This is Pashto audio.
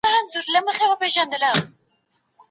لوږه مه تېروئ او تر وخت مخکې مه خورئ.